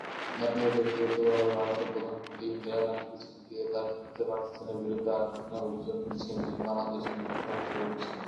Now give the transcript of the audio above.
Gaddafi ব্যক্তিগতভাবে ভারতের প্রধানমন্ত্রী ইন্দিরা গান্ধীকে চিঠি দিয়ে তার বিরুদ্ধে পাকিস্তানের বিরুদ্ধে আগ্রাসনের অভিযোগ এনেছিলেন, যিনি বাংলাদেশী মুক্তিবাহিনীর সহযোগী ছিলেন।